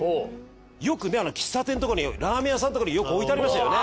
よくね喫茶店とかにラーメン屋さんとかによく置いてありましたよね。